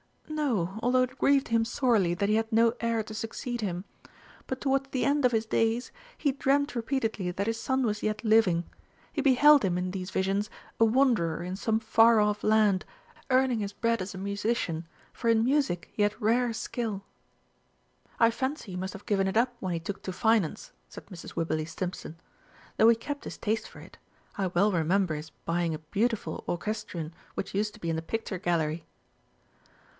"No, although it grieved him sorely that he had no heir to succeed him. But towards the end of his days, he dreamed repeatedly that his son was yet living. He beheld him in these visions a wanderer in some far off land, earning his bread as a musician, for in Music he had rare skill." "I fancy he must have given it up when he took to Finance," said Mrs. Wibberley Stimpson, "though he kept his taste for it. I well remember his buying a beautiful orchestrion which used to be in the Picture Gallery."